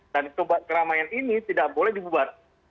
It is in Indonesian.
dan keramaian ini tidak boleh dibubar